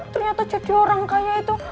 ternyata jadi orang kaya itu